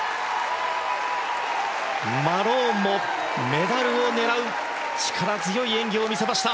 マローンもメダルを狙う力強い演技を見せました。